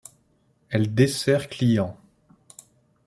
Elle dessert clients.